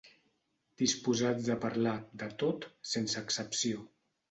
Disposats a parlar, de tot, sense excepció.